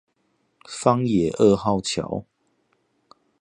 枋野二號橋